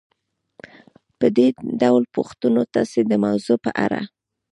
په دې ډول پوښتنو تاسې د موضوع په اړه